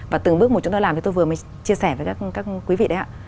và từng bước một chúng tôi làm thì tôi vừa mới chia sẻ với các quý vị đấy ạ